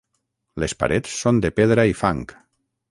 Les parets són de pedra i fang.